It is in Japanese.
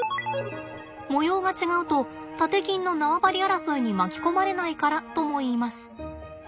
模様が違うとタテキンの縄張り争いに巻き込まれないからともいいます。